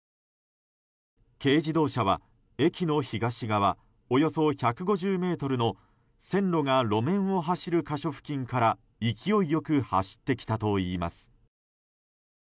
軽自動車は駅の東側およそ１５０ｍの線路が路面を走る箇所付近から勢いよく走ってきたといいます。